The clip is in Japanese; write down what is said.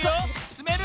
つめる？